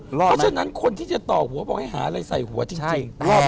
เพราะฉะนั้นคนที่จะต่อหัวบอกต้องหาอะไร